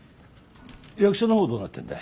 役者の方はどうなってるんだい。